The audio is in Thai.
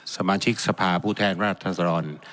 สมาชิกสภาพูทน์แทนราธรรม